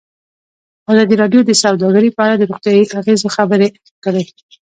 ازادي راډیو د سوداګري په اړه د روغتیایي اغېزو خبره کړې.